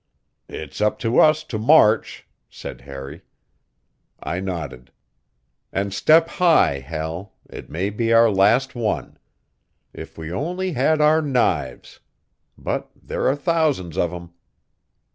"It's up to us to march," said Harry. I nodded. "And step high, Hal; it may be our last one. If we only had our knives! But there are thousands of 'em."